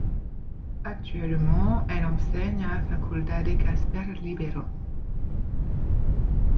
Actuellement, elle enseigne à Faculdade Cásper Líbero.